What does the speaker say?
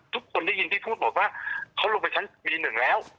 ทุกคนได้ยินที่พูดบอกว่าเขาลงไปชั้นปีหนึ่งแล้ว